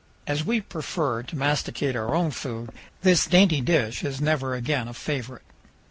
As we prefer to masticate our own food, this dainty dish is never again a favorite.